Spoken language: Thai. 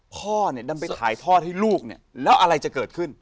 พ่อเนี่ยดันไปถ่ายทอดให้ลูกเนี่ยแล้วอะไรจะเกิดขึ้น